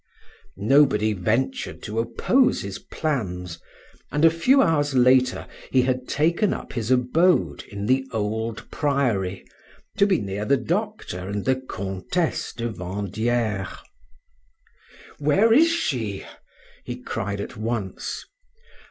Nobody ventured to oppose his plans, and a few hours later he had taken up his abode in the old priory, to be near the doctor and the Comtesse de Vandieres. "Where is she?" he cried at once.